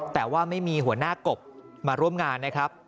แต่ว่าไม่มีหัวหน้ากบมาร่วมงานนะครับ